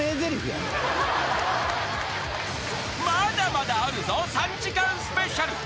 ［まだまだあるぞ３時間スペシャル］